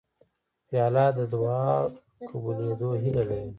پیاله د دعا قبولېدو هیله لري